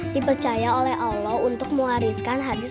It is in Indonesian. dipercaya oleh allah untuk mewariskan hadis